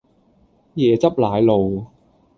椰汁奶露